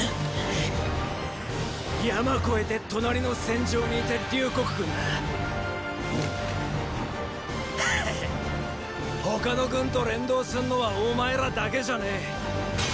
山越えて隣の戦場にいた隆国軍だ。っ！へへっ他の軍と連動すんのはお前らだけじゃねぇ。